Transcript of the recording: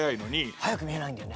速く見えないんだよね。